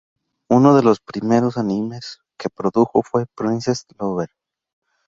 Uno de los primeros animes que produjo fue "Princess Lover!".